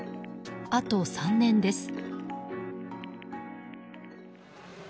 あと３年です。